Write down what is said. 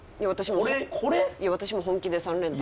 いや私も本気で３連単。